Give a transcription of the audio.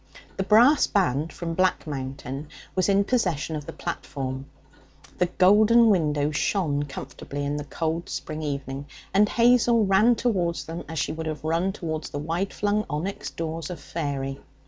The brass band from Black Mountain was in possession of the platform. The golden windows shone comfortably in the cold spring evening, and Hazel ran towards them as she would have run towards the wide flung onyx doors of faery.